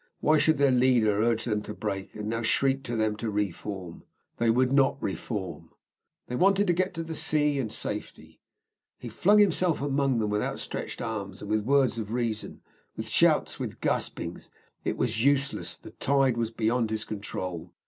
Why should their leader urge them to break, and now shriek to them to re form? They would not re form. They wanted to get to the sea and to safety. He flung himself among them with outstretched arms, with words of reason, with shouts, with gaspings. It was useless; the tide was beyond his control.